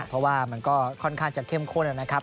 เพราะว่ามันก็ค่อนข้างจะเข้มข้นนะครับ